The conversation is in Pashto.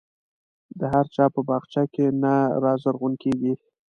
د هر چا په باغچه کې نه رازرغون کېږي.